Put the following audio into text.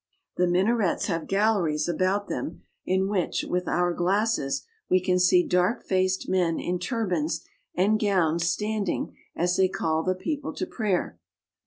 The minarets have gal leries about them in which, with our glasses, we can see dark faced men in turbans and gowns standing, as they call the people to prayer.